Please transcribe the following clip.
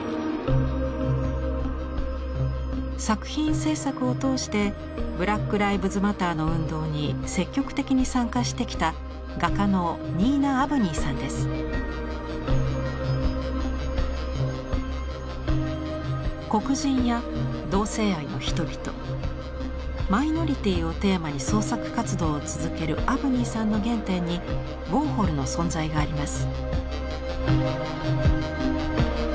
作品制作を通してブラック・ライブズ・マターの運動に積極的に参加してきた黒人や同性愛の人々マイノリティーをテーマに創作活動を続けるアブニーさんの原点にウォーホルの存在があります。